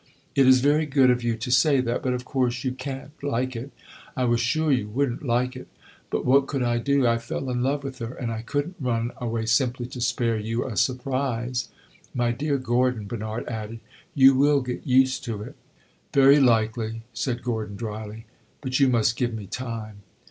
"It is very good of you to say that, but of course you can't like it! I was sure you would n't like it. But what could I do? I fell in love with her, and I could n't run away simply to spare you a surprise. My dear Gordon," Bernard added, "you will get used to it." "Very likely," said Gordon, dryly. "But you must give me time."